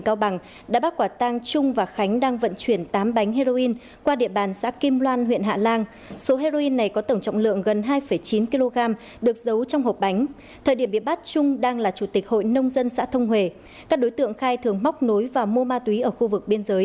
các bạn hãy đăng ký kênh để ủng hộ kênh của chúng mình nhé